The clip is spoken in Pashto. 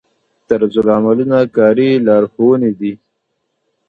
طرزالعملونه کاري لارښوونې دي